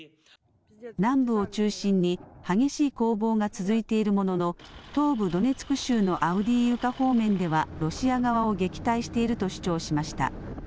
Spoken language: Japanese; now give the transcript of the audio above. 南部を中心に激しい攻防が続いているものの東部ドネツク州のアウディーイウカ方面ではロシア側を撃退していると主張しました。